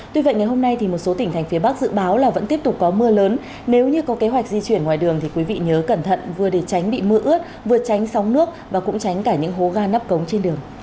tuy vậy ngày hôm nay thì một số tỉnh thành phía bắc dự báo là vẫn tiếp tục có mưa lớn nếu như có kế hoạch di chuyển ngoài đường thì quý vị nhớ cẩn thận vừa để tránh bị mưa ướt vừa tránh sóng nước và cũng tránh cả những hố ga nắp cống trên đường